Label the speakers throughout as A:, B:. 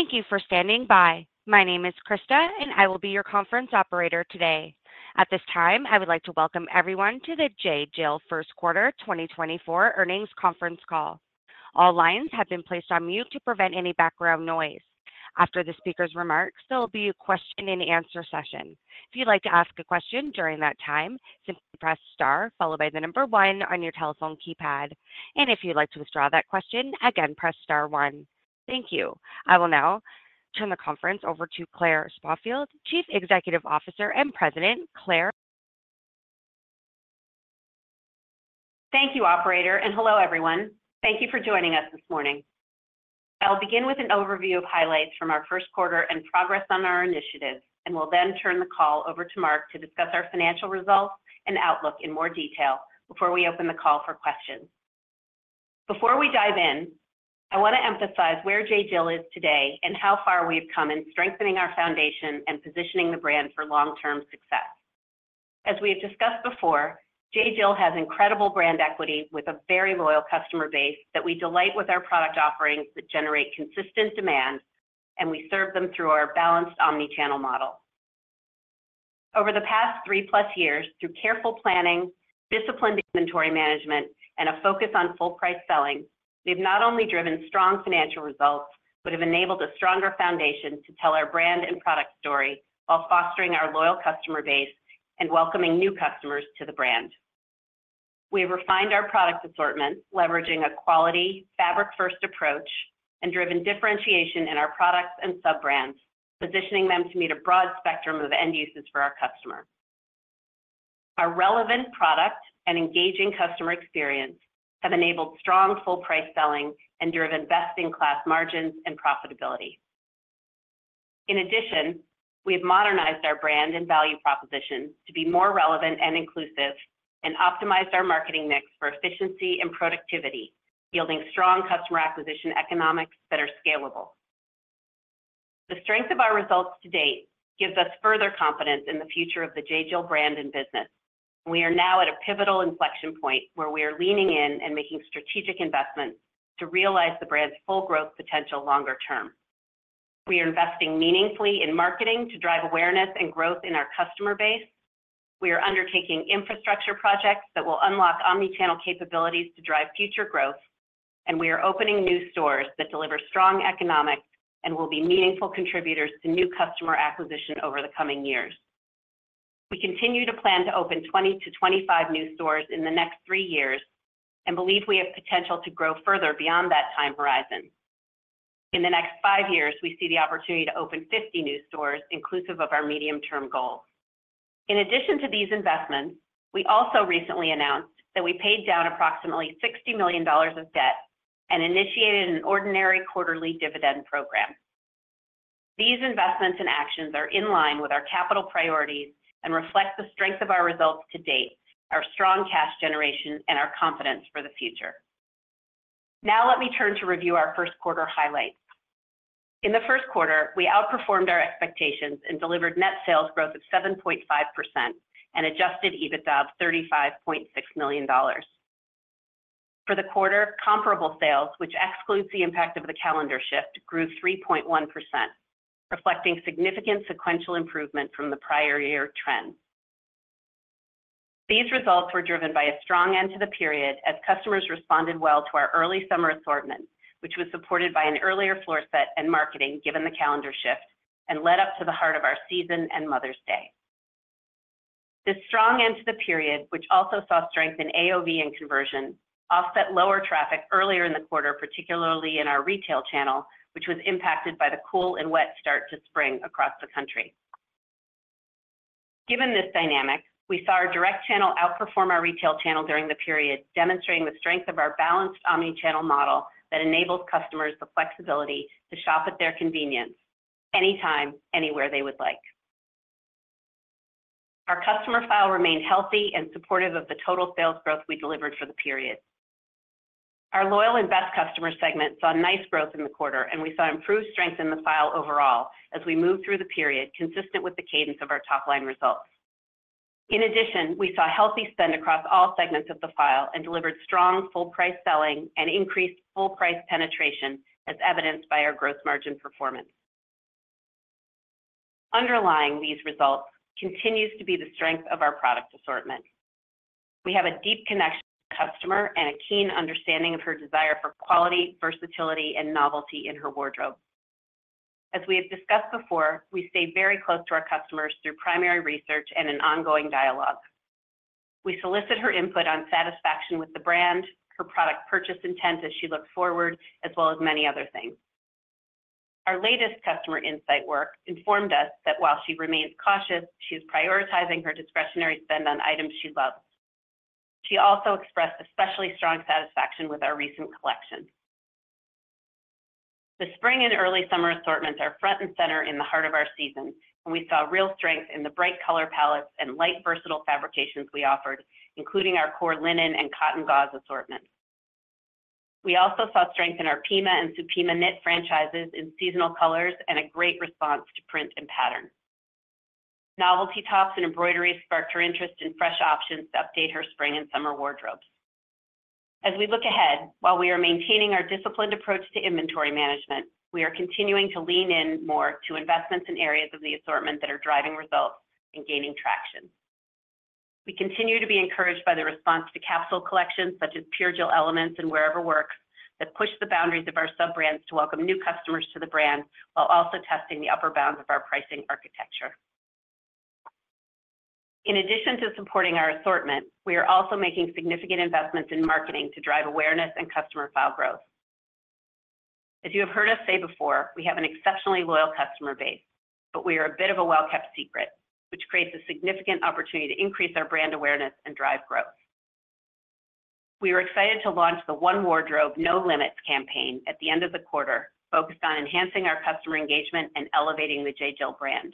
A: Thank you for standing by. My name is Krista, and I will be your conference operator today. At this time, I would like to welcome everyone to the J.Jill First Quarter 2024 Earnings Conference Call. All lines have been placed on mute to prevent any background noise. After the speaker's remarks, there will be a question-and-answer session. If you'd like to ask a question during that time, simply press Star followed by the number 1 on your telephone keypad. And if you'd like to withdraw that question, again, press Star 1. Thank you. I will now turn the conference over to Claire Spofford, Chief Executive Officer and President. Claire?
B: Thank you, operator, and hello, everyone. Thank you for joining us this morning. I'll begin with an overview of highlights from our first quarter and progress on our initiatives, and will then turn the call over to Mark to discuss our financial results and outlook in more detail before we open the call for questions. Before we dive in, I want to emphasize where J.Jill is today and how far we've come in strengthening our foundation and positioning the brand for long-term success. As we have discussed before, J.Jill has incredible brand equity with a very loyal customer base that we delight with our product offerings that generate consistent demand, and we serve them through our balanced omni-channel model. Over the past three-plus years, through careful planning, disciplined inventory management, and a focus on full price selling, we've not only driven strong financial results, but have enabled a stronger foundation to tell our brand and product story while fostering our loyal customer base and welcoming new customers to the brand. We have refined our product assortment, leveraging a quality, fabric-first approach and driven differentiation in our products and sub-brands, positioning them to meet a broad spectrum of end uses for our customer. Our relevant product and engaging customer experience have enabled strong full price selling and driven best-in-class margins and profitability. In addition, we have modernized our brand and value proposition to be more relevant and inclusive and optimized our marketing mix for efficiency and productivity, yielding strong customer acquisition economics that are scalable. The strength of our results to date gives us further confidence in the future of the J.Jill brand and business. We are now at a pivotal inflection point where we are leaning in and making strategic investments to realize the brand's full growth potential longer term. We are investing meaningfully in marketing to drive awareness and growth in our customer base. We are undertaking infrastructure projects that will unlock omni-channel capabilities to drive future growth, and we are opening new stores that deliver strong economics and will be meaningful contributors to new customer acquisition over the coming years. We continue to plan to open 20-25 new stores in the next three years and believe we have potential to grow further beyond that time horizon. In the next five years, we see the opportunity to open 50 new stores, inclusive of our medium-term goals. In addition to these investments, we also recently announced that we paid down approximately $60 million of debt and initiated an ordinary quarterly dividend program. These investments and actions are in line with our capital priorities and reflect the strength of our results to date, our strong cash generation, and our confidence for the future. Now let me turn to review our first quarter highlights. In the first quarter, we outperformed our expectations and delivered net sales growth of 7.5% and adjusted EBITDA of $35.6 million. For the quarter, comparable sales, which excludes the impact of the calendar shift, grew 3.1%, reflecting significant sequential improvement from the prior year trend. These results were driven by a strong end to the period as customers responded well to our early summer assortment, which was supported by an earlier floor set and marketing, given the calendar shift, and led up to the heart of our season and Mother's Day. This strong end to the period, which also saw strength in AOV and conversion, offset lower traffic earlier in the quarter, particularly in our retail channel, which was impacted by the cool and wet start to spring across the country. Given this dynamic, we saw our direct channel outperform our retail channel during the period, demonstrating the strength of our balanced omni-channel model that enables customers the flexibility to shop at their convenience anytime, anywhere they would like. Our customer file remained healthy and supportive of the total sales growth we delivered for the period. Our loyal and best customer segment saw nice growth in the quarter, and we saw improved strength in the file overall as we moved through the period, consistent with the cadence of our top-line results. In addition, we saw healthy spend across all segments of the file and delivered strong full price selling and increased full price penetration, as evidenced by our gross margin performance. Underlying these results continues to be the strength of our product assortment. We have a deep connection to the customer and a keen understanding of her desire for quality, versatility, and novelty in her wardrobe. As we have discussed before, we stay very close to our customers through primary research and an ongoing dialogue. We solicit her input on satisfaction with the brand, her product purchase intent as she looks forward, as well as many other things. Our latest customer insight work informed us that while she remains cautious, she's prioritizing her discretionary spend on items she loves. She also expressed especially strong satisfaction with our recent collections. The spring and early summer assortments are front and center in the heart of our season, and we saw real strength in the bright color palettes and light, versatile fabrications we offered, including our core linen and cotton gauze assortment. We also saw strength in our Pima and Supima knit franchises in seasonal colors and a great response to print and pattern.... Novelty tops and embroidery sparked her interest in fresh options to update her spring and summer wardrobes. As we look ahead, while we are maintaining our disciplined approach to inventory management, we are continuing to lean in more to investments in areas of the assortment that are driving results and gaining traction. We continue to be encouraged by the response to capsule collections, such as Pure Jill Elements and Wherever Works, that push the boundaries of our sub-brands to welcome new customers to the brand, while also testing the upper bounds of our pricing architecture. In addition to supporting our assortment, we are also making significant investments in marketing to drive awareness and customer file growth. As you have heard us say before, we have an exceptionally loyal customer base, but we are a bit of a well-kept secret, which creates a significant opportunity to increase our brand awareness and drive growth. We are excited to launch the One Wardrobe, No Limits campaign at the end of the quarter, focused on enhancing our customer engagement and elevating the J.Jill brand.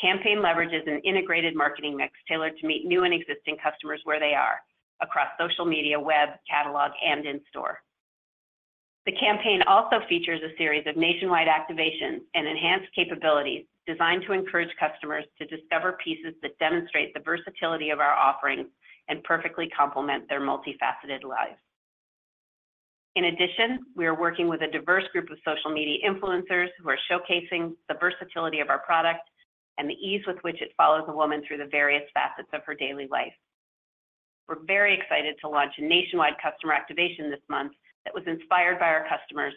B: Campaign leverages an integrated marketing mix tailored to meet new and existing customers where they are, across social media, web, catalog, and in store. The campaign also features a series of nationwide activations and enhanced capabilities designed to encourage customers to discover pieces that demonstrate the versatility of our offerings and perfectly complement their multifaceted lives. In addition, we are working with a diverse group of social media influencers who are showcasing the versatility of our product and the ease with which it follows a woman through the various facets of her daily life. We're very excited to launch a nationwide customer activation this month that was inspired by our customers,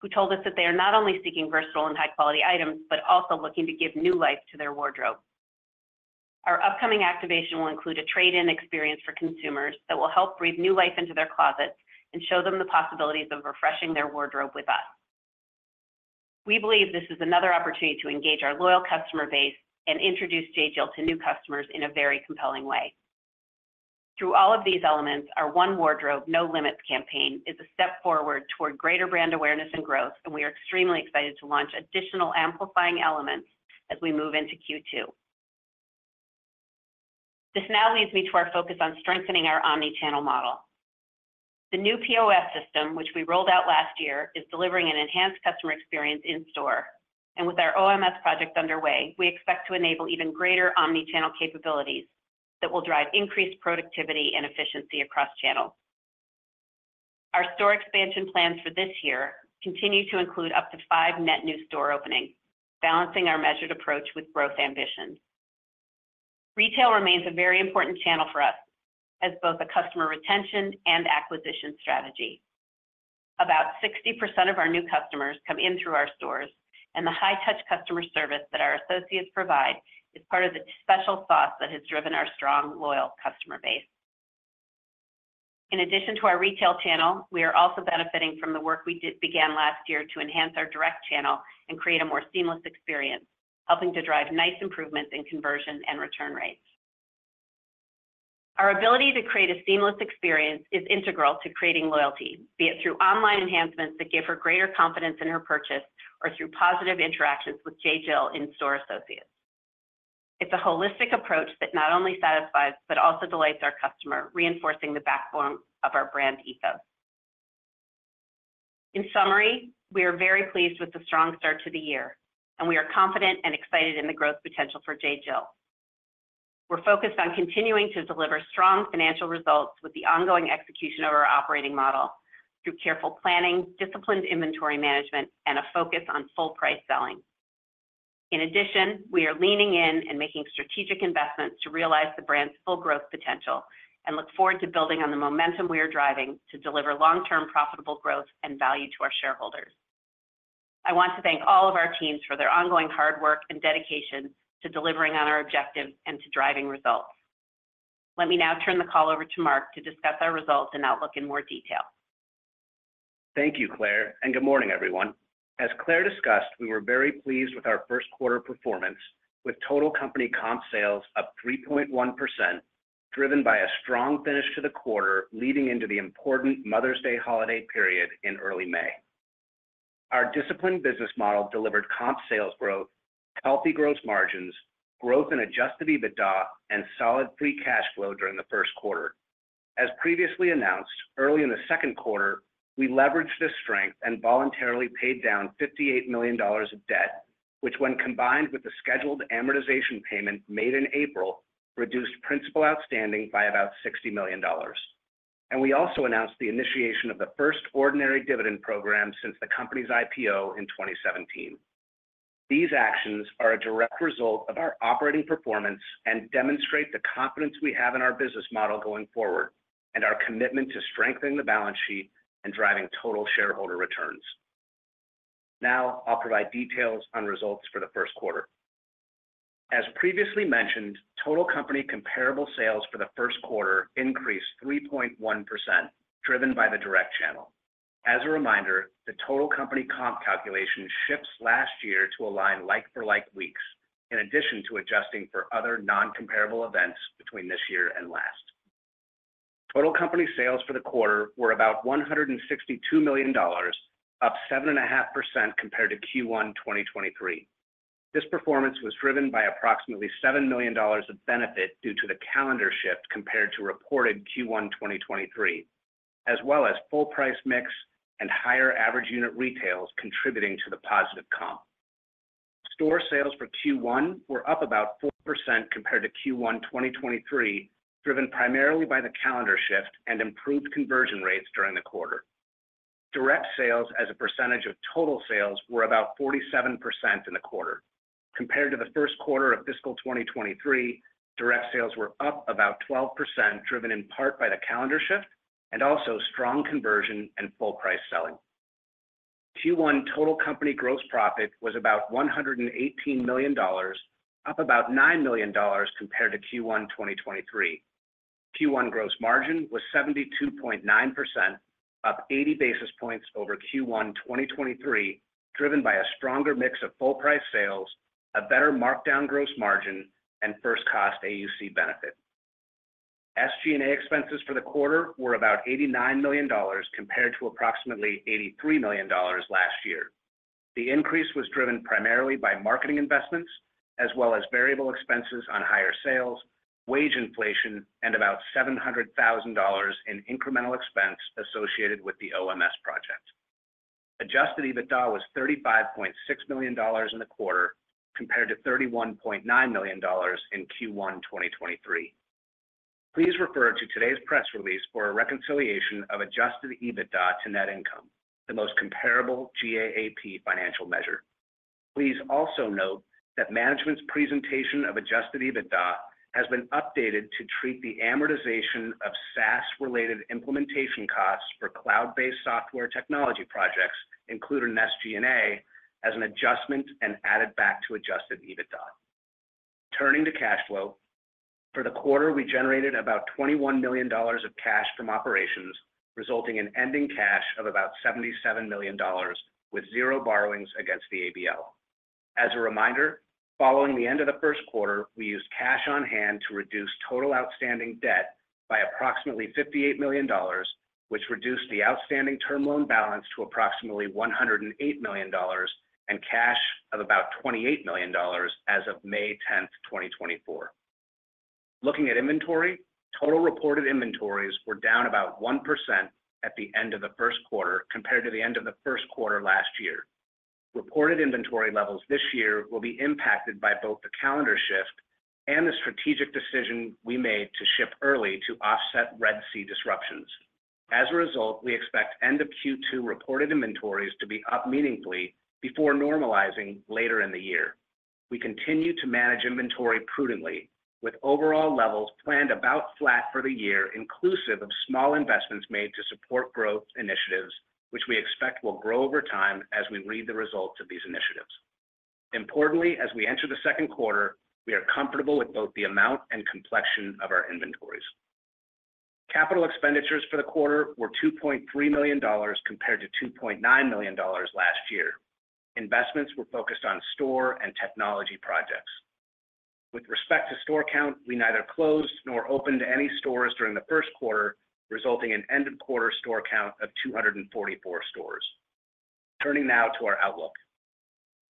B: who told us that they are not only seeking versatile and high-quality items, but also looking to give new life to their wardrobe. Our upcoming activation will include a trade-in experience for consumers that will help breathe new life into their closets and show them the possibilities of refreshing their wardrobe with us. We believe this is another opportunity to engage our loyal customer base and introduce J.Jill to new customers in a very compelling way. Through all of these elements, our One Wardrobe, No Limits campaign is a step forward toward greater brand awareness and growth, and we are extremely excited to launch additional amplifying elements as we move into Q2. This now leads me to our focus on strengthening our omni-channel model. The new POS system, which we rolled out last year, is delivering an enhanced customer experience in store. With our OMS project underway, we expect to enable even greater omni-channel capabilities that will drive increased productivity and efficiency across channels. Our store expansion plans for this year continue to include up to five net new store openings, balancing our measured approach with growth ambitions. Retail remains a very important channel for us as both a customer retention and acquisition strategy. About 60% of our new customers come in through our stores, and the high-touch customer service that our associates provide is part of the special sauce that has driven our strong, loyal customer base. In addition to our retail channel, we are also benefiting from the work we began last year to enhance our direct channel and create a more seamless experience, helping to drive nice improvements in conversion and return rates. Our ability to create a seamless experience is integral to creating loyalty, be it through online enhancements that give her greater confidence in her purchase or through positive interactions with J.Jill in-store associates. It's a holistic approach that not only satisfies, but also delights our customer, reinforcing the backbone of our brand ethos. In summary, we are very pleased with the strong start to the year, and we are confident and excited in the growth potential for J.Jill. We're focused on continuing to deliver strong financial results with the ongoing execution of our operating model through careful planning, disciplined inventory management, and a focus on full price selling. In addition, we are leaning in and making strategic investments to realize the brand's full growth potential and look forward to building on the momentum we are driving to deliver long-term profitable growth and value to our shareholders. I want to thank all of our teams for their ongoing hard work and dedication to delivering on our objectives and to driving results. Let me now turn the call over to Mark to discuss our results and outlook in more detail.
C: Thank you, Claire, and good morning, everyone. As Claire discussed, we were very pleased with our first quarter performance, with total company comp sales up 3.1%, driven by a strong finish to the quarter, leading into the important Mother's Day holiday period in early May. Our disciplined business model delivered comp sales growth, healthy gross margins, growth in Adjusted EBITDA, and solid free cash flow during the first quarter. As previously announced, early in the second quarter, we leveraged this strength and voluntarily paid down $58 million of debt, which, when combined with the scheduled amortization payment made in April, reduced principal outstanding by about $60 million. We also announced the initiation of the first ordinary dividend program since the company's IPO in 2017. These actions are a direct result of our operating performance and demonstrate the confidence we have in our business model going forward, and our commitment to strengthening the balance sheet and driving total shareholder returns. Now, I'll provide details on results for the first quarter. As previously mentioned, total company comparable sales for the first quarter increased 3.1%, driven by the direct channel. As a reminder, the total company comp calculation shifts last year to align like-for-like weeks, in addition to adjusting for other non-comparable events between this year and last. Total company sales for the quarter were about $162 million, up 7.5% compared to Q1 2023. This performance was driven by approximately $7 million of benefit due to the calendar shift compared to reported Q1 2023. as well as full price mix and higher average unit retails contributing to the positive comp. Store sales for Q1 were up about 4% compared to Q1 2023, driven primarily by the calendar shift and improved conversion rates during the quarter. Direct sales as a percentage of total sales, were about 47% in the quarter. Compared to the first quarter of fiscal 2023, direct sales were up about 12%, driven in part by the calendar shift and also strong conversion and full price selling. Q1 total company gross profit was about $118 million, up about $9 million compared to Q1 2023. Q1 gross margin was 72.9%, up 80 basis points over Q1 2023, driven by a stronger mix of full price sales, a better markdown gross margin, and first cost AUC benefit. SG&A expenses for the quarter were about $89 million, compared to approximately $83 million last year. The increase was driven primarily by marketing investments, as well as variable expenses on higher sales, wage inflation, and about $700,000 in incremental expense associated with the OMS project. Adjusted EBITDA was $35.6 million in the quarter, compared to $31.9 million in Q1 2023. Please refer to today's press release for a reconciliation of adjusted EBITDA to net income, the most comparable GAAP financial measure. Please also note that management's presentation of adjusted EBITDA has been updated to treat the amortization of SaaS-related implementation costs for cloud-based software technology projects included in SG&A as an adjustment and added back to adjusted EBITDA. Turning to cash flow. For the quarter, we generated about $21 million of cash from operations, resulting in ending cash of about $77 million, with 0 borrowings against the ABL. As a reminder, following the end of the first quarter, we used cash on hand to reduce total outstanding debt by approximately $58 million, which reduced the outstanding term loan balance to approximately $108 million, and cash of about $28 million as of May 10, 2024. Looking at inventory, total reported inventories were down about 1% at the end of the first quarter compared to the end of the first quarter last year. Reported inventory levels this year will be impacted by both the calendar shift and the strategic decision we made to ship early to offset Red Sea disruptions. As a result, we expect end of Q2 reported inventories to be up meaningfully before normalizing later in the year. We continue to manage inventory prudently, with overall levels planned about flat for the year, inclusive of small investments made to support growth initiatives, which we expect will grow over time as we read the results of these initiatives. Importantly, as we enter the second quarter, we are comfortable with both the amount and complexion of our inventories. Capital expenditures for the quarter were $2.3 million, compared to $2.9 million last year. Investments were focused on store and technology projects. With respect to store count, we neither closed nor opened any stores during the first quarter, resulting in end of quarter store count of 244 stores. Turning now to our outlook.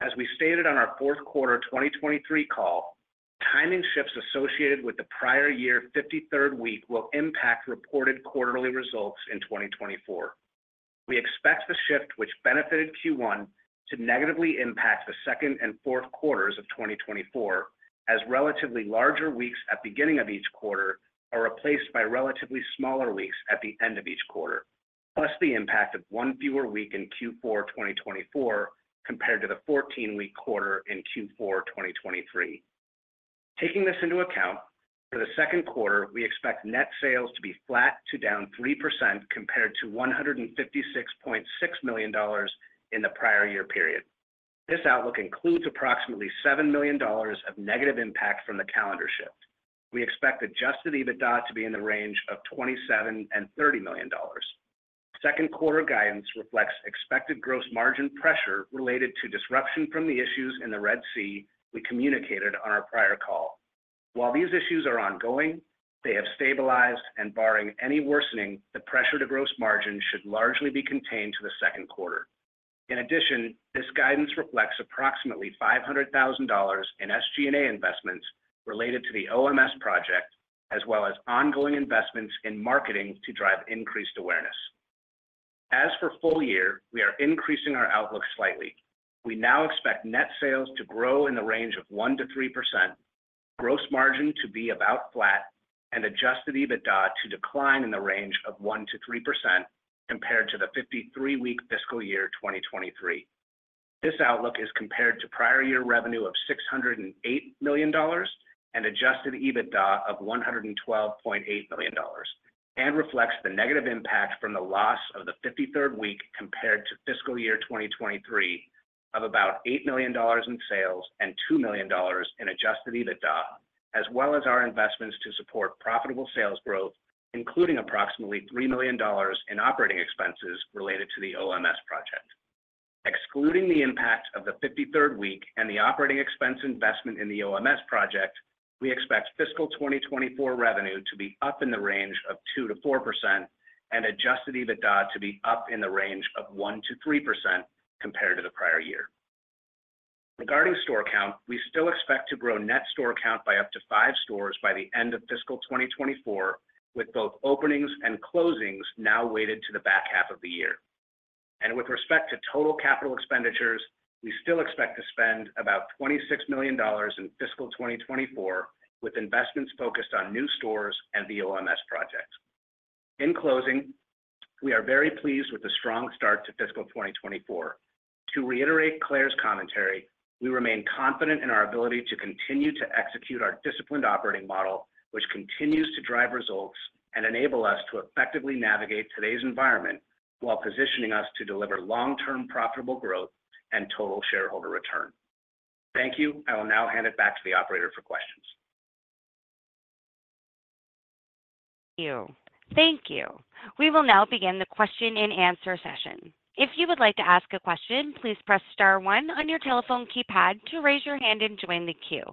C: As we stated on our fourth quarter 2023 call, timing shifts associated with the prior year 53rd week will impact reported quarterly results in 2024. We expect the shift, which benefited Q1, to negatively impact the second and fourth quarters of 2024, as relatively larger weeks at beginning of each quarter are replaced by relatively smaller weeks at the end of each quarter, plus the impact of one fewer week in Q4 2024 compared to the 14-week quarter in Q4 2023. Taking this into account, for the second quarter, we expect net sales to be flat to down 3% compared to $156.6 million in the prior year period. This outlook includes approximately $7 million of negative impact from the calendar shift. We expect Adjusted EBITDA to be in the range of $27-$30 million. Second quarter guidance reflects expected gross margin pressure related to disruption from the issues in the Red Sea we communicated on our prior call. While these issues are ongoing, they have stabilized, and barring any worsening, the pressure to gross margin should largely be contained to the second quarter. In addition, this guidance reflects approximately $500,000 in SG&A investments related to the OMS project, as well as ongoing investments in marketing to drive increased awareness. As for full year, we are increasing our outlook slightly. We now expect net sales to grow in the range of 1%-3%, gross margin to be about flat, and adjusted EBITDA to decline in the range of 1%-3% compared to the 53-week fiscal year 2023. This outlook is compared to prior year revenue of $608 million and adjusted EBITDA of $112.8 million, and reflects the negative impact from the loss of the 53rd week compared to fiscal year 2023 of about $8 million in sales and $2 million in adjusted EBITDA, as well as our investments to support profitable sales growth, including approximately $3 million in operating expenses related to the OMS project. Excluding the impact of the 53rd week and the operating expense investment in the OMS project, we expect fiscal 2024 revenue to be up in the range of 2%-4% and adjusted EBITDA to be up in the range of 1%-3% compared to the prior year. Regarding store count, we still expect to grow net store count by up to 5 stores by the end of fiscal 2024, with both openings and closings now weighted to the back half of the year. With respect to total capital expenditures, we still expect to spend about $26 million in fiscal 2024, with investments focused on new stores and the OMS projects. In closing, we are very pleased with the strong start to fiscal 2024. To reiterate Claire's commentary, we remain confident in our ability to continue to execute our disciplined operating model, which continues to drive results and enable us to effectively navigate today's environment, while positioning us to deliver long-term profitable growth and total shareholder return. Thank you. I will now hand it back to the operator for questions.
A: Thank you. We will now begin the question and answer session. If you would like to ask a question, please press star one on your telephone keypad to raise your hand and join the queue.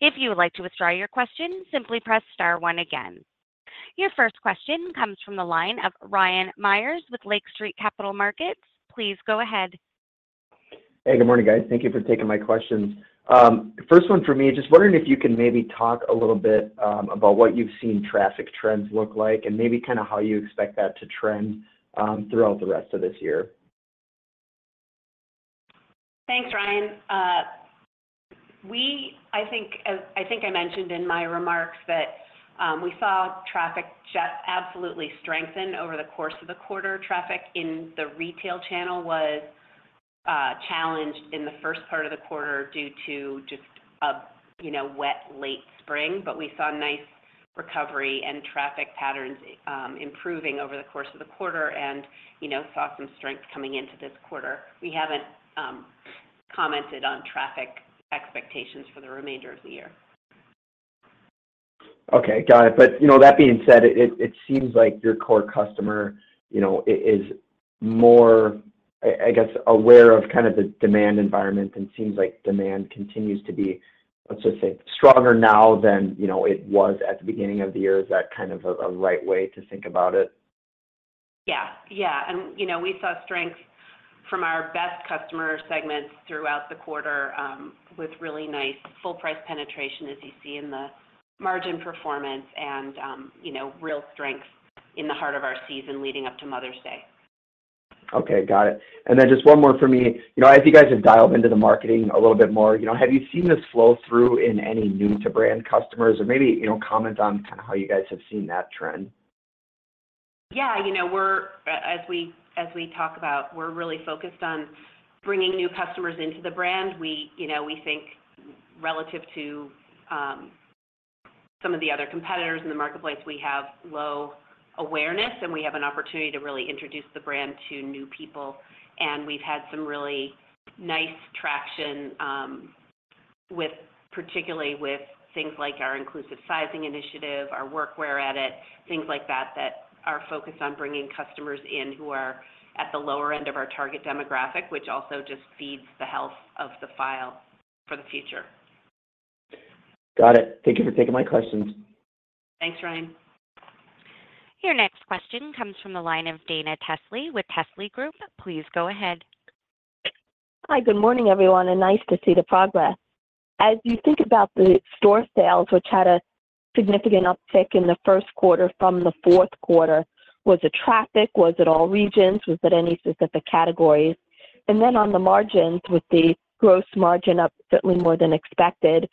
A: If you would like to withdraw your question, simply press star one again. Your first question comes from the line of Ryan Meyers with Lake Street Capital Markets. Please go ahead.
D: Hey, good morning, guys. Thank you for taking my questions. First one for me, just wondering if you can maybe talk a little bit about what you've seen traffic trends look like, and maybe kinda how you expect that to trend throughout the rest of this year.
B: Thanks, Ryan. I think I mentioned in my remarks that we saw traffic just absolutely strengthen over the course of the quarter. Traffic in the retail channel was challenged in the first part of the quarter due to just a, you know, wet, late spring, but we saw nice recovery and traffic patterns improving over the course of the quarter and, you know, saw some strength coming into this quarter. We haven't commented on traffic expectations for the remainder of the year.
D: Okay, got it. But, you know, that being said, it seems like your core customer, you know, is more, I guess, aware of kind of the demand environment, and seems like demand continues to be, let's just say, stronger now than, you know, it was at the beginning of the year. Is that kind of a right way to think about it?
B: Yeah. Yeah, and you know, we saw strength from our best customer segments throughout the quarter, with really nice full price penetration, as you see in the margin performance and, you know, real strength in the heart of our season leading up to Mother's Day.
D: Okay, got it. Just one more for me. You know, as you guys have dialed into the marketing a little bit more, you know, have you seen this flow through in any new-to-brand customers? Or maybe, you know, comment on kinda how you guys have seen that trend.
B: Yeah, you know, we're as we talk about, we're really focused on bringing new customers into the brand. We, you know, we think relative to some of the other competitors in the marketplace, we have low awareness, and we have an opportunity to really introduce the brand to new people. And we've had some really nice traction with, particularly with things like our inclusive sizing initiative, our Workwear Edit, things like that, that are focused on bringing customers in who are at the lower end of our target demographic, which also just feeds the health of the file for the future.
D: Got it. Thank you for taking my questions.
B: Thanks, Ryan.
A: Your next question comes from the line of Dana Telsey with Telsey Group. Please go ahead.
E: Hi, good morning, everyone, and nice to see the progress. As you think about the store sales, which had a significant uptick in the first quarter from the fourth quarter, was it traffic? Was it all regions? Was it any specific categories? And then on the margins, with the gross margin up certainly more than expected,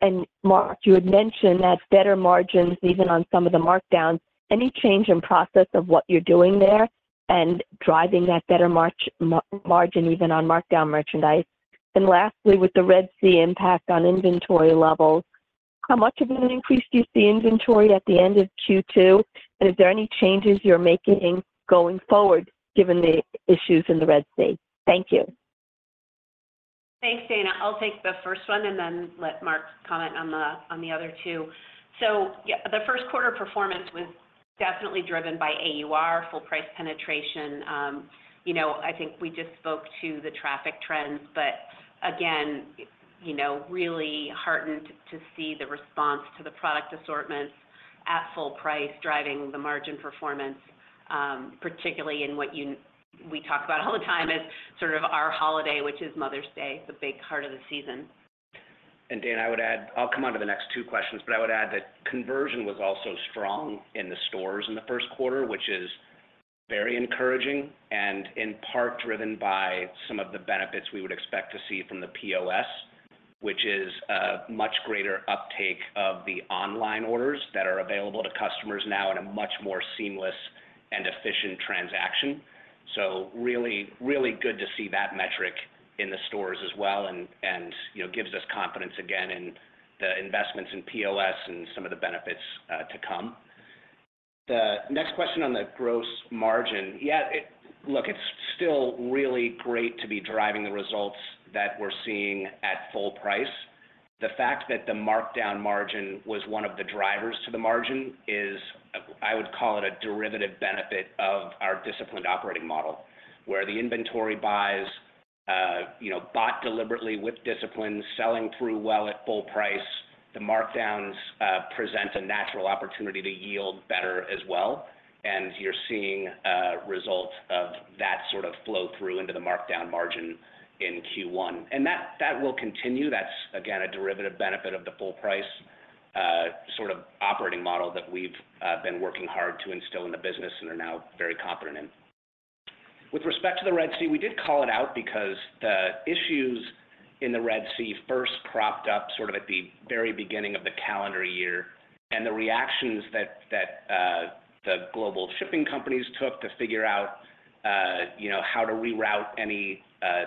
E: and Mark, you had mentioned that better margins, even on some of the markdowns, any change in process of what you're doing there and driving that better margin, even on markdown merchandise? And lastly, with the Red Sea impact on inventory levels, how much of an increase do you see inventory at the end of Q2, and is there any changes you're making going forward, given the issues in the Red Sea? Thank you.
B: Thanks, Dana. I'll take the first one and then let Mark comment on the other two. So yeah, the first quarter performance was definitely driven by AUR, full price penetration. You know, I think we just spoke to the traffic trends, but again, you know, really heartened to see the response to the product assortments at full price, driving the margin performance, particularly in what we talk about all the time as sort of our holiday, which is Mother's Day, the big heart of the season.
C: And Dana, I would add... I'll come on to the next two questions, but I would add that conversion was also strong in the stores in the first quarter, which is very encouraging and in part driven by some of the benefits we would expect to see from the POS, which is a much greater uptake of the online orders that are available to customers now in a much more seamless and efficient transaction. So really, really good to see that metric in the stores as well, and, you know, gives us confidence again in the investments in POS and some of the benefits to come. The next question on the gross margin. Yeah, it... Look, it's still really great to be driving the results that we're seeing at full price. The fact that the markdown margin was one of the drivers to the margin is, I would call it a derivative benefit of our disciplined operating model, where the inventory buys, you know, bought deliberately with discipline, selling through well at full price, the markdowns present a natural opportunity to yield better as well, and you're seeing results of that sort of flow through into the markdown margin in Q1. And that, that will continue. That's, again, a derivative benefit of the full price, sort of operating model that we've been working hard to instill in the business and are now very confident in. With respect to the Red Sea, we did call it out because the issues in the Red Sea first propped up sort of at the very beginning of the calendar year, and the reactions that, that, the global shipping companies took to figure out, you know, how to reroute any,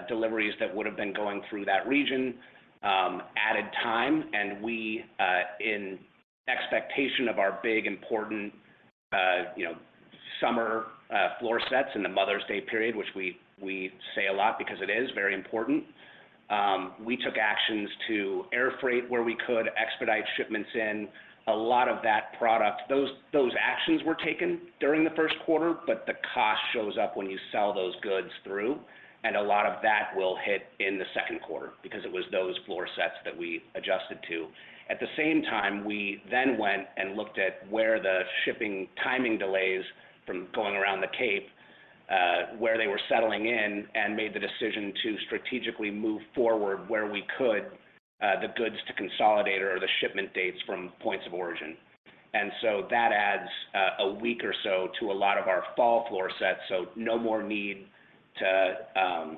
C: deliveries that would have been going through that region, added time. And we, in expectation of our big, important, you know, summer, floor sets in the Mother's Day period, which we, we say a lot because it is very important, we took actions to air freight where we could expedite shipments in. A lot of that product. Those actions were taken during the first quarter, but the cost shows up when you sell those goods through, and a lot of that will hit in the second quarter because it was those floor sets that we adjusted to. At the same time, we then went and looked at where the shipping timing delays from going around the Cape, where they were settling in and made the decision to strategically move forward, where we could, the goods to consolidate or the shipment dates from points of origin. And so that adds a week or so to a lot of our fall floor sets, so no more need to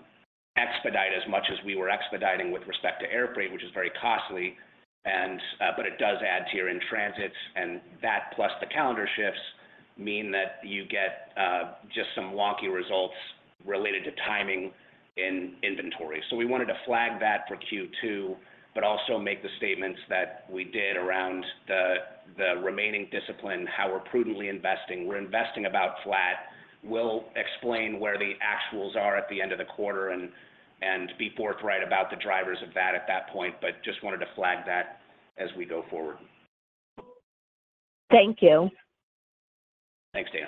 C: expedite as much as we were expediting with respect to air freight, which is very costly. But it does add to your in transits, and that plus the calendar shifts mean that you get just some wonky results related to timing in inventory. So we wanted to flag that for Q2, but also make the statements that we did around the remaining discipline, how we're prudently investing. We're investing about flat. We'll explain where the actuals are at the end of the quarter and be forthright about the drivers of that at that point, but just wanted to flag that as we go forward.
E: Thank you.
C: Thanks, Dana.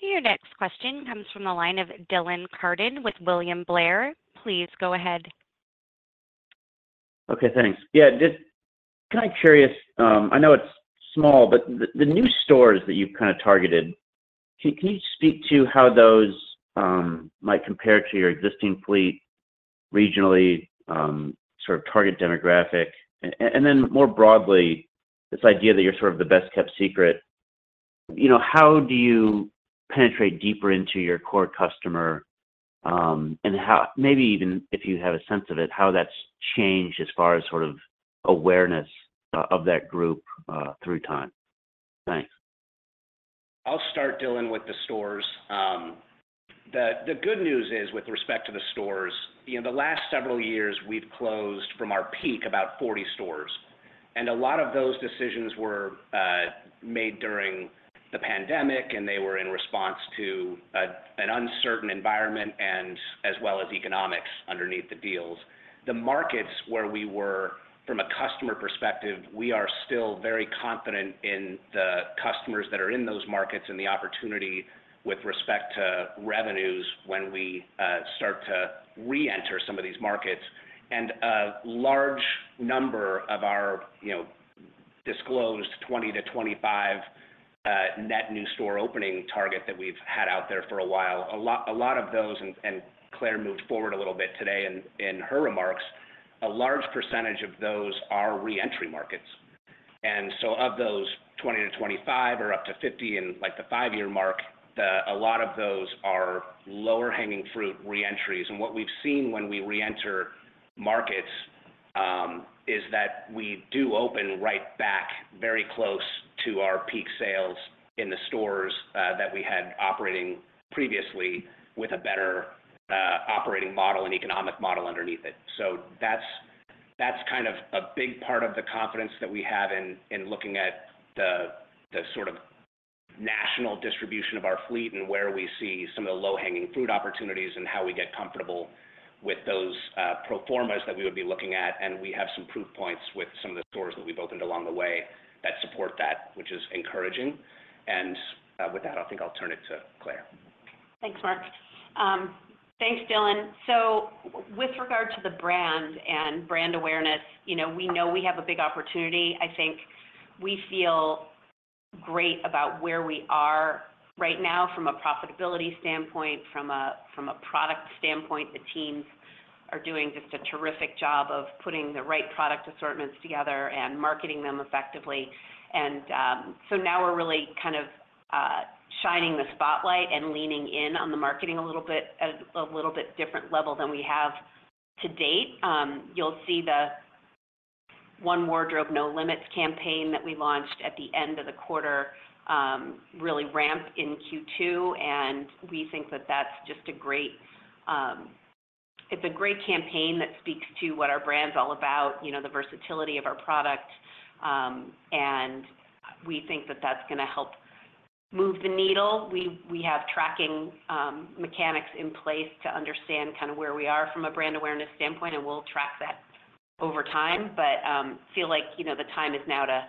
A: Your next question comes from the line of Dylan Carden with William Blair. Please go ahead.
F: Okay, thanks. Yeah, just kinda curious, I know it's small, but the new stores that you've kind of targeted, can you speak to how those might compare to your existing fleet regionally, sort of target demographic? And then more broadly, this idea that you're sort of the best-kept secret, you know, how do you penetrate deeper into your core customer? And how... Maybe even if you have a sense of it, how that's changed as far as sort of awareness of that group through time? Thanks.
C: I'll start, Dylan, with the stores. The good news is, with respect to the stores, you know, the last several years, we've closed from our peak about 40 stores, and a lot of those decisions were made during the pandemic, and they were in response to an uncertain environment and as well as economics underneath the deals. The markets where we were, from a customer perspective, we are still very confident in the customers that are in those markets and the opportunity with respect to revenues when we start to reenter some of these markets. And a large number of our, you know, disclosed 20-25 net new store opening target that we've had out there for a while, a lot, a lot of those, and Claire moved forward a little bit today in her remarks, a large percentage of those are re-entry markets. And so of those 20-25 or up to 50 in, like, the 5-year mark, the a lot of those are lower-hanging fruit reentries. And what we've seen when we reenter markets is that we do open right back very close to our peak sales in the stores that we had operating previously with a better operating model and economic model underneath it. So that's, that's kind of a big part of the confidence that we have in, in looking at the, the sort of national distribution of our fleet and where we see some of the low-hanging fruit opportunities and how we get comfortable with those, pro formas that we would be looking at. And we have some proof points with some of the stores that we've opened along the way that support that, which is encouraging. With that, I think I'll turn it to Claire.
B: Thanks, Mark. Thanks, Dylan. So with regard to the brand and brand awareness, you know, we know we have a big opportunity. I think we feel great about where we are right now from a profitability standpoint, from a product standpoint. The teams are doing just a terrific job of putting the right product assortments together and marketing them effectively. So now we're really kind of shining the spotlight and leaning in on the marketing a little bit, at a little bit different level than we have to date. You'll see the One Wardrobe, No Limits campaign that we launched at the end of the quarter, really ramp in Q2, and we think that that's just a great... It's a great campaign that speaks to what our brand's all about, you know, the versatility of our product, and we think that that's gonna help move the needle. We have tracking mechanics in place to understand kind of where we are from a brand awareness standpoint, and we'll track that over time, but feel like, you know, the time is now to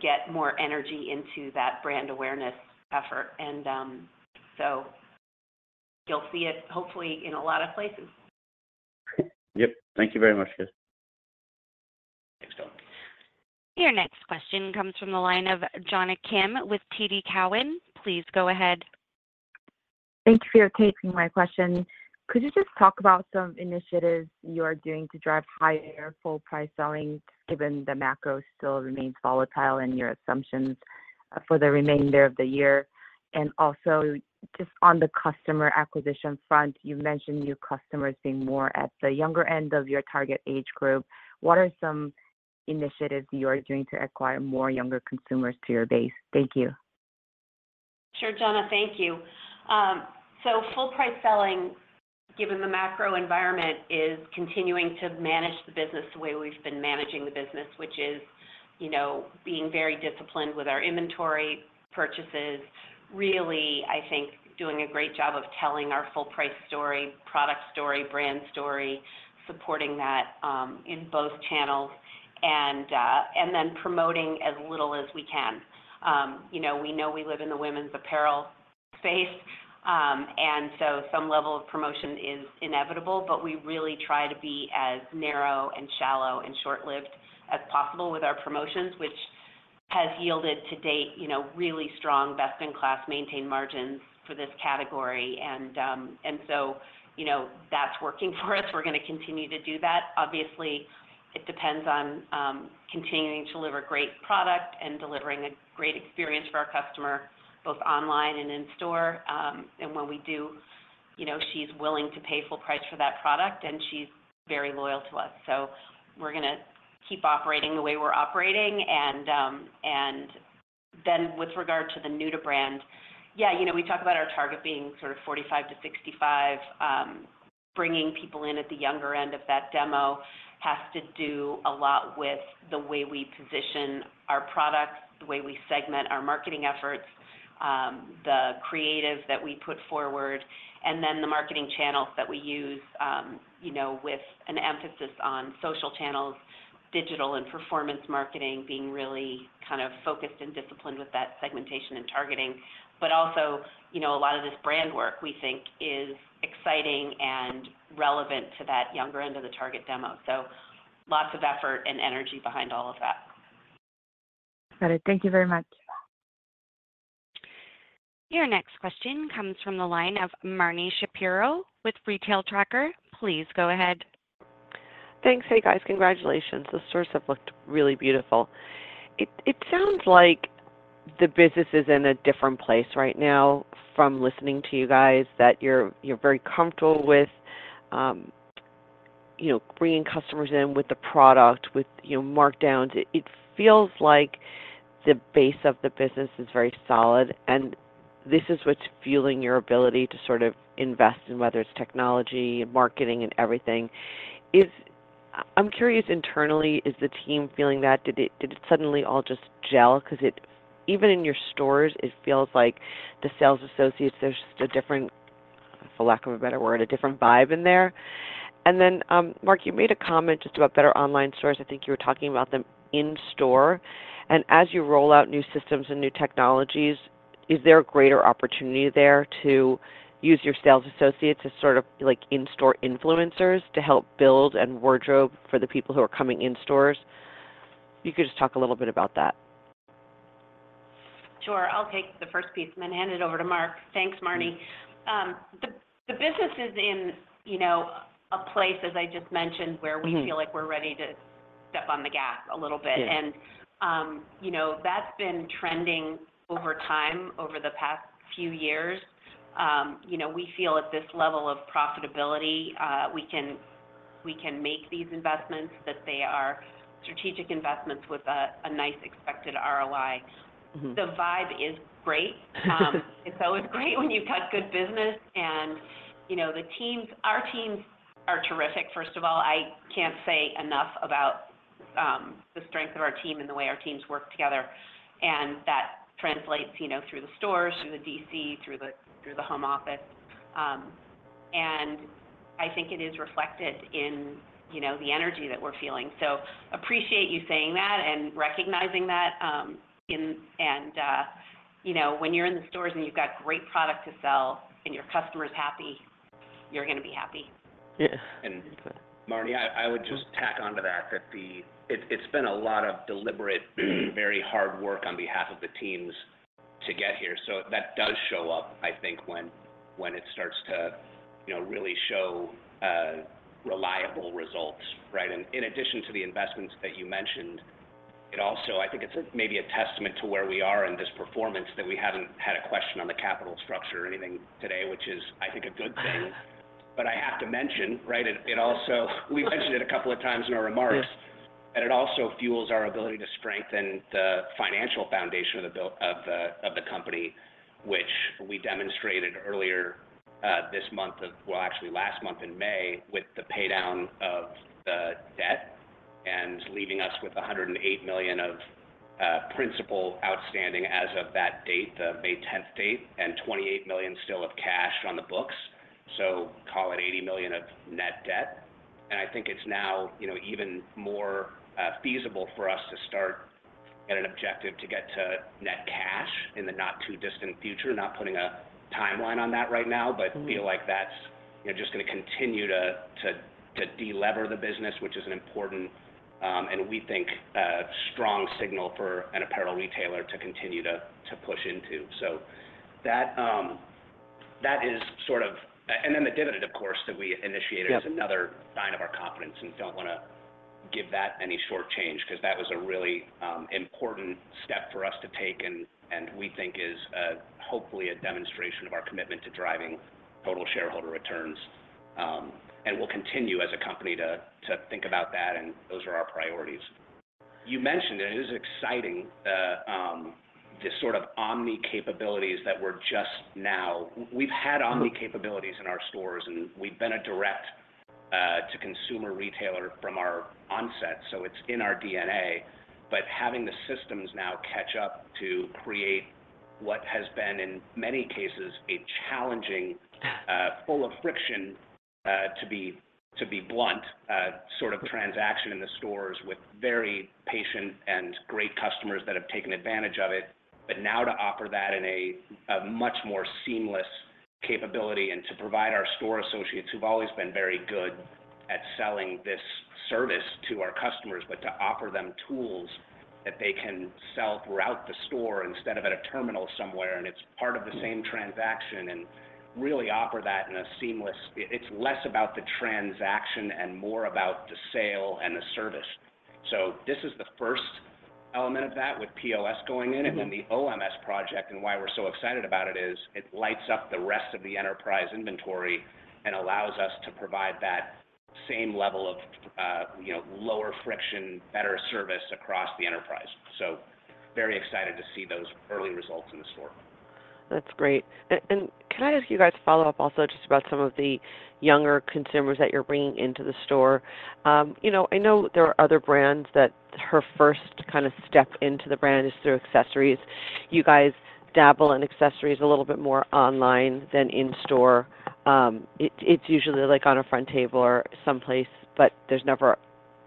B: get more energy into that brand awareness effort. So you'll see it, hopefully, in a lot of places.
F: Yep. Thank you very much, guys.
A: Your next question comes from the line of Jonna Kim with TD Cowen. Please go ahead.
G: Thank you for taking my question. Could you just talk about some initiatives you are doing to drive higher full price selling, given the macro still remains volatile and your assumptions for the remainder of the year? And also just on the customer acquisition front, you've mentioned your customers being more at the younger end of your target age group. What are some initiatives you are doing to acquire more younger consumers to your base? Thank you.
B: Sure, Jonna. Thank you. So full price selling, given the macro environment, is continuing to manage the business the way we've been managing the business, which is, you know, being very disciplined with our inventory purchases. Really, I think, doing a great job of telling our full price story, product story, brand story, supporting that, in both channels, and then promoting as little as we can. You know, we know we live in a women's apparel space, and so some level of promotion is inevitable, but we really try to be as narrow and shallow and short-lived as possible with our promotions, which has yielded to date, you know, really strong, best-in-class, maintained margins for this category. And so, you know, that's working for us. We're gonna continue to do that. Obviously, it depends on continuing to deliver great product and delivering a great experience for our customer, both online and in store. And when we do, you know, she's willing to pay full price for that product, and she's very loyal to us. So we're gonna keep operating the way we're operating. And, and then with regard to the new to brand, yeah, you know, we talk about our target being sort of 45-65, bringing people in at the younger end of that demo has to do a lot with the way we position our products, the way we segment our marketing efforts, the creative that we put forward, and then the marketing channels that we use, you know, with an emphasis on social channels, digital and performance marketing being really kind of focused and disciplined with that segmentation and targeting. But also, you know, a lot of this brand work we think is exciting and relevant to that younger end of the target demo. So lots of effort and energy behind all of that.
G: Got it. Thank you very much.
A: Your next question comes from the line of Marni Shapiro with Retail Tracker. Please go ahead.
H: Thanks. Hey, guys. Congratulations. The stores have looked really beautiful. It sounds like the business is in a different place right now from listening to you guys, that you're very comfortable with, you know, bringing customers in with the product, with, you know, markdowns. It feels like the base of the business is very solid, and this is what's fueling your ability to sort of invest in, whether it's technology, marketing, and everything. Is. I'm curious, internally, is the team feeling that? Did it suddenly all just gel? 'Cause it... Even in your stores, it feels like the sales associates, there's just a different, for lack of a better word, a different vibe in there. And then, Mark, you made a comment just about better online stores. I think you were talking about them in store. As you roll out new systems and new technologies, is there a greater opportunity there to use your sales associates as sort of, like, in-store influencers to help build and wardrobe for the people who are coming in stores? If you could just talk a little bit about that.
B: Sure. I'll take the first piece and then hand it over to Mark. Thanks, Marni. The business is in, you know, a place, as I just mentioned-
H: Mm-hmm.
B: where we feel like we're ready to step on the gas a little bit.
H: Yeah.
B: You know, that's been trending over time, over the past few years. You know, we feel at this level of profitability, we can make these investments, that they are strategic investments with a nice expected ROI.
H: Mm-hmm.
B: The vibe is great. It's always great when you've got good business, and, you know, the teams, our teams are terrific. First of all, I can't say enough about the strength of our team and the way our teams work together, and that translates, you know, through the stores, through the DC, through the home office. I think it is reflected in, you know, the energy that we're feeling. So appreciate you saying that and recognizing that. You know, when you're in the stores and you've got great product to sell and your customer is happy, you're gonna be happy.
H: Yeah.
C: And Marni, I would just tack onto that, that the... It's been a lot of deliberate, very hard work on behalf of the teams to get here. So that does show up, I think, when it starts to, you know, really show reliable results, right? And in addition to the investments that you mentioned, it also, I think it's maybe a testament to where we are in this performance, that we haven't had a question on the capital structure or anything today, which is, I think, a good thing. But I have to mention, right, it also... We mentioned it a couple of times in our remarks-
H: Yeah
C: that it also fuels our ability to strengthen the financial foundation of the company, which we demonstrated earlier, this month, well, actually last month in May, with the paydown of the debt and leaving us with $108 million of principal outstanding as of that date, the May tenth date, and $28 million still of cash on the books. So call it $80 million of net debt. And I think it's now, you know, even more feasible for us and an objective to get to net cash in the not too distant future. Not putting a timeline on that right now, but feel like that's, you know, just gonna continue to delever the business, which is an important and we think a strong signal for an apparel retailer to continue to push into. So that is sort of, and then the dividend, of course, that we initiated-
H: Yep
C: is another sign of our confidence, and don't wanna give that any short change, 'cause that was a really important step for us to take, and we think is hopefully a demonstration of our commitment to driving total shareholder returns. And we'll continue as a company to think about that, and those are our priorities. You mentioned, and it is exciting, the sort of omni capabilities that we're just now... We've had omni capabilities in our stores, and we've been a direct to consumer retailer from our onset, so it's in our DNA. But having the systems now catch up to create what has been, in many cases, a challenging full of friction, to be blunt, sort of transaction in the stores with very patient and great customers that have taken advantage of it. But now to offer that in a much more seamless capability and to provide our store associates, who've always been very good at selling this service to our customers, but to offer them tools that they can sell throughout the store instead of at a terminal somewhere, and it's part of the same transaction, and really offer that in a seamless... It's less about the transaction and more about the sale and the service. So this is the first element of that with POS going in.
H: Mm-hmm.
C: And then the OMS project, and why we're so excited about it, is it lights up the rest of the enterprise inventory and allows us to provide that same level of, you know, lower friction, better service across the enterprise. So very excited to see those early results in the store.
H: That's great. And can I ask you guys to follow up also just about some of the younger consumers that you're bringing into the store? You know, I know there are other brands that her first kind of step into the brand is through accessories. You guys dabble in accessories a little bit more online than in store. It's usually, like, on a front table or someplace, but there's never...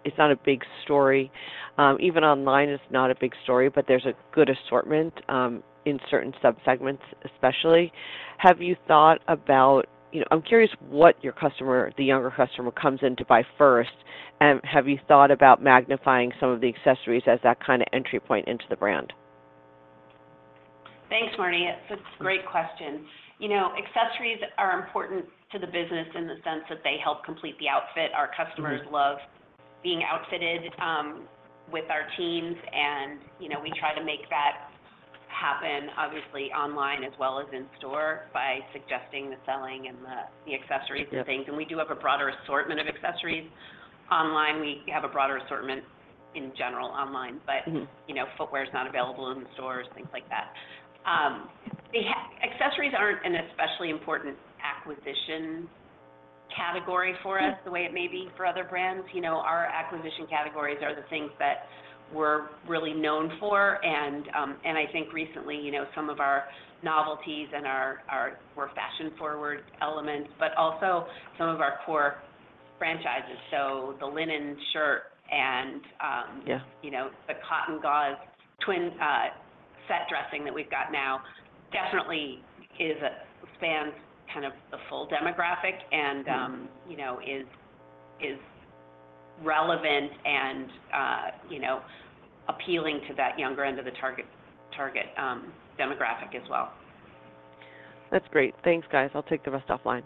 H: It's not a big story. Even online, it's not a big story, but there's a good assortment in certain subsegments, especially. Have you thought about... You know, I'm curious what your customer, the younger customer, comes in to buy first, and have you thought about magnifying some of the accessories as that kind of entry point into the brand?
B: Thanks, Marni. It's a great question. You know, accessories are important to the business in the sense that they help complete the outfit.
H: Mm-hmm.
B: Our customers love being outfitted with our teams, and, you know, we try to make that happen, obviously online, as well as in store, by suggesting the selling and the accessories-
H: Yep
B: ...and things. We do have a broader assortment of accessories online. We have a broader assortment in general online, but-
H: Mm-hmm...
B: you know, footwear is not available in the stores, things like that. The accessories aren't an especially important acquisition category for us-
H: Mm...
B: the way it may be for other brands. You know, our acquisition categories are the things that we're really known for. And, and I think recently, you know, some of our novelties and our, our more fashion-forward elements, but also some of our core franchises. So the linen shirt and,
H: Yeah...
B: you know, the cotton gauze twin set dressing that we've got now definitely spans kind of the full demographic and,
H: Mm...
B: you know, is relevant and, you know, appealing to that younger end of the target demographic as well.
H: That's great. Thanks, guys. I'll take the rest offline.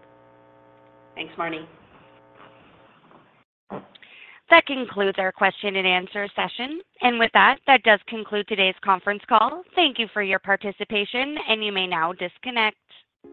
B: Thanks, Marni.
A: That concludes our question and answer session. With that, that does conclude today's conference call. Thank you for your participation, and you may now disconnect.